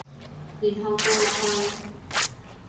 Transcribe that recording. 然後倒落去